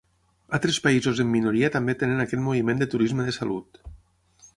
Altres països en minoria també tenen aquest moviment de turisme de salut.